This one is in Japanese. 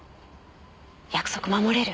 約束守れる？